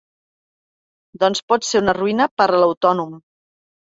Doncs pot ser una ruïna per a l’autònom.